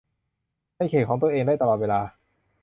ในเขตของตัวเองได้ตลอดเวลา